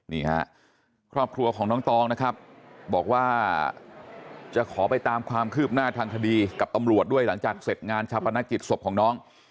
นี่ฮะครอบครัวของน้องตองนะครับบอกว่าจะขอไปตามความคืบหน้าทางคดีกับตำรวจด้วยหลังจากเสร็จงานชาปนกิจศพของน้อง